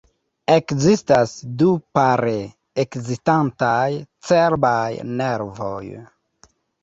Ekzistas du pare ekzistantaj cerbaj nervoj.